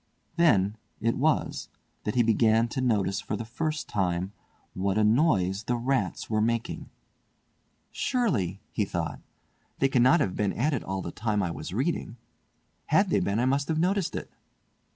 Then it was that he began to notice for the first time what a noise the rats were making. "Surely," he thought, "they cannot have been at it all the time I was reading. Had they been, I must have noticed it!"